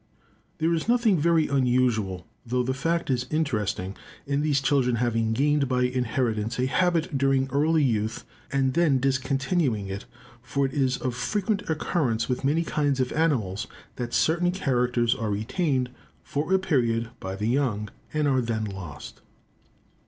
There is nothing very unusual, though the fact is interesting, in these children having gained by inheritance a habit during early youth, and then discontinuing it; for it is of frequent occurrence with many kinds of animals that certain characters are retained for a period by the young, and are then lost.